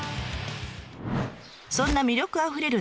そんな魅力あふれる